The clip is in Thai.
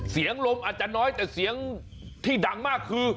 เสียงลมอาจจะน้อยแต่เสียงที่ดังมากคือ